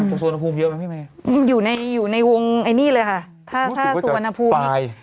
อืมสวนภูมิเยอะไหมพี่แม่อยู่ในอยู่ในวงไอ้นี่เลยค่ะถ้าถ้าสวนภูมิปลาย